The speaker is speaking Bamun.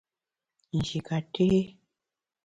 Nji ka nté.